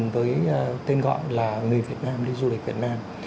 với tên gọi là người việt nam đi du lịch việt nam